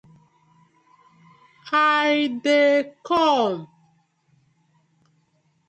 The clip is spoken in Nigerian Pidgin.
I dey kom.